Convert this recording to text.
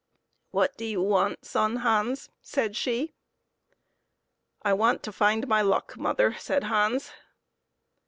" What do you want, Son Hans?" said she. " I want to find my luck, mother," said Hans.